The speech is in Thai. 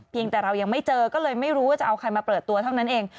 แต่เรายังไม่เจอก็เลยไม่รู้ว่าจะเอาใครมาเปิดตัวเท่านั้นเอง